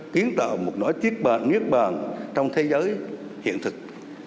tiến tạo một nỗi tiếc bạc nguyết bạc trong thế giới hiện thực